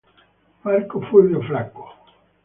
Marco Fulvio Flacco